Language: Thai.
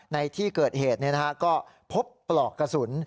ในที่เกิดเหตุก็พบปลอกกระสุน